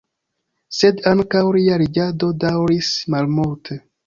Sed ankaŭ lia reĝado daŭris malmulte.